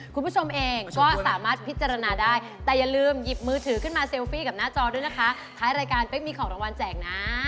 คุณผู้ชมเองก็สามารถพิจารณาได้แต่อย่าลืมหยิบมือถือขึ้นมาเซลฟี่กับหน้าจอด้วยนะคะท้ายรายการเป๊กมีของรางวัลแจกนะ